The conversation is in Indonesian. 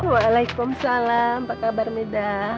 waalaikumsalam apa kabar medan